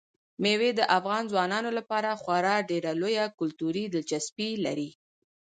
مېوې د افغان ځوانانو لپاره خورا ډېره لویه کلتوري دلچسپي لري.